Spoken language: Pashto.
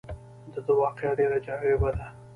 دده واقعه ډېره جالبه ده.